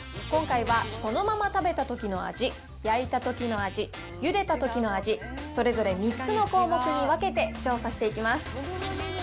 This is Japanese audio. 今回は、そのまま食べたときの味、焼いたときの味、ゆでたときの味、それぞれ３つの項目に分けて調査していきます。